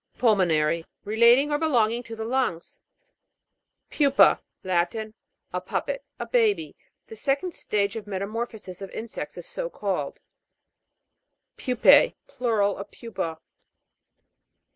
PUL'MONARY. Relating or belonging to the lungs. PU'PA. Latin. A puppet, a baby. The second stage of metamorpho sis of insects is so called. PU'P^E. Plural of pupa.